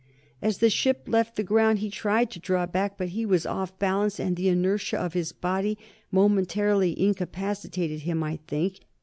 "As the ship left the ground, he tried to draw back, but he was off balance, and the inertia of his body momentarily incapacitated him, I think.